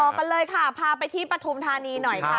ต่อไปเลยค่ะพาไปที่ประธุมธรรมนี้หน่อยค่ะ